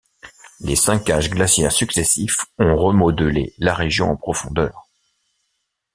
Les cinq âges glaciaires successifs ont remodelé la région en profondeur.